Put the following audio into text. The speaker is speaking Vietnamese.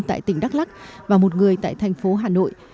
tại tỉnh đắk lắc và một người tại thành phố hà nội